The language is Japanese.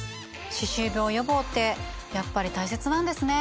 歯周病予防ってやっぱり大切なんですね。